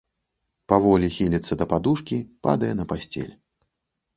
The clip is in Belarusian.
Паволі хіліцца да падушкі, падае на пасцель.